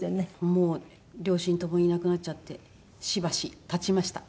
もう両親ともいなくなっちゃってしばし経ちました。